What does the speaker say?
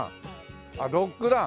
ドッグラン？